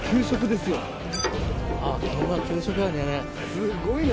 すごいな。